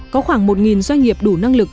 có khoảng một doanh nghiệp đủ năng lực